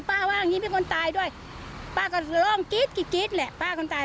ป้าว่าอย่างงี้มีคนตายด้วยป้าก็ลองกิ๊ดกิ๊ดแหละป้าคนตาย